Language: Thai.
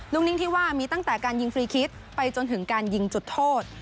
นิ่งที่ว่ามีตั้งแต่การยิงฟรีคิสไปจนถึงการยิงจุดโทษ